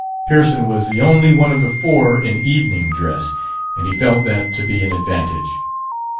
Pearson was the only one of the four in evening dress, and he felt that to be an advantage.